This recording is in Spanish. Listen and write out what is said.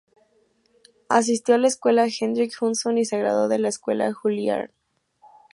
Asistió a la Escuela Hendrick Hudson y se graduó de la Escuela Juilliard.